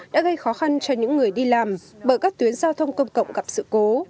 đã gây khó khăn cho những người đi làm bởi các tuyến giao thông công cộng gặp sự cố